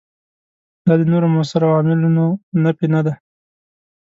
دا د نورو موثرو عواملونو نفي نه ده.